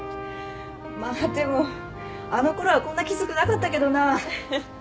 まあでもあのころはこんなきつくなかったけどなぁ。